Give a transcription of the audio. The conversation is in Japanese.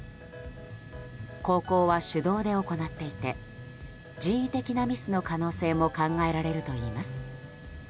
航行は手動で行っていて人為的なミスの可能性も考えられるといいます。